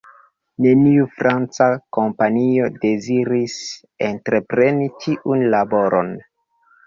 Neniu franca kompanio deziris entrepreni tiun laboron.